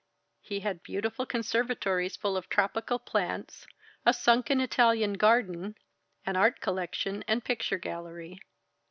He had beautiful conservatories full of tropical plants, a sunken Italian garden, an art collection and picture gallery.